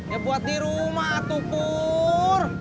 ya buat di rumah tukur